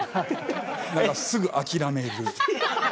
何かすぐ諦める。